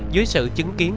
dưới sự chứng kiến